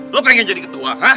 lo pengen jadi ketua